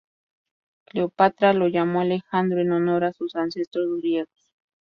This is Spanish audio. Cleopatra lo llamó Alejandro en honor a sus ancestros griegos.